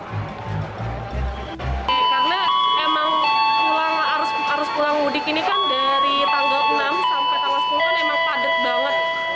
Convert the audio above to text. karena emang pulang arus pulang mudik ini kan dari tanggal enam sampai tanggal sepuluh kan emang padat banget